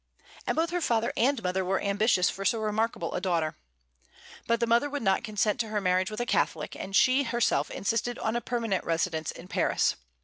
And both her father and mother were ambitious for so remarkable a daughter. But the mother would not consent to her marriage with a Catholic, and she herself insisted on a permanent residence in Paris.